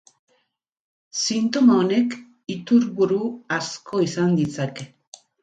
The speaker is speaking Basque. Sintoma honek iturburu asko izan ditzake.